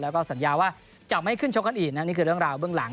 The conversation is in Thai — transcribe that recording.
แล้วก็สัญญาว่าจะไม่ขึ้นชกกันอีกนะนี่คือเรื่องราวเบื้องหลัง